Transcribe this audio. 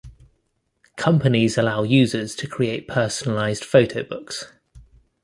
Companies allow users to create personalized photo-books.